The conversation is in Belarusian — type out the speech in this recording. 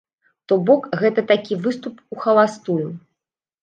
То бок, гэта такі выступ ухаластую.